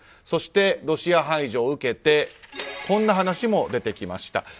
そして、ロシア排除を受けてこんな話も出てきました。